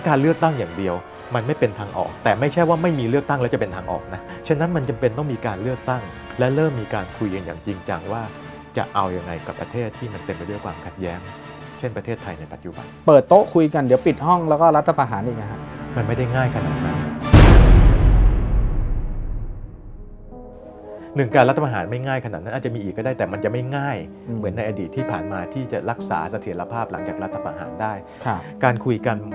คุณธนาทรจะเป็นจริงนะคุณธนาทรจะเป็นจริงนะคุณธนาทรจะเป็นจริงนะคุณธนาทรจะเป็นจริงนะคุณธนาทรจะเป็นจริงนะคุณธนาทรจะเป็นจริงนะคุณธนาทรจะเป็นจริงนะคุณธนาทรจะเป็นจริงนะคุณธนาทรจะเป็นจริงนะคุณธนาทรจะเป็นจริงนะคุณธนาทรจะเป็นจริงนะคุณธนาทรจะเป็